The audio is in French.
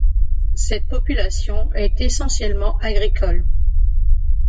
Cette population est essentiellement agricole.